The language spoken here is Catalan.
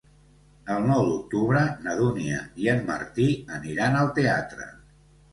El nou d'octubre na Dúnia i en Martí aniran al teatre.